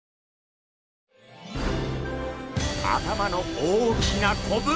頭の大きなコブ！